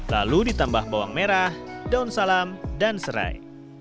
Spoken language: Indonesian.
lalu ditambah bawang merah daun salam dan serai